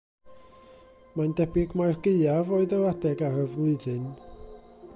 Mae'n debyg mai'r gaeaf oedd yr adeg ar y flwyddyn.